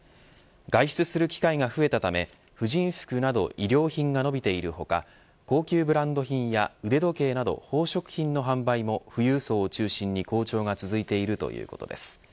外出する機会が増えたため婦人服など衣料品が伸びている他高級ブランド品や腕時計など宝飾品の販売も富裕層を中心に好調が続いているということです。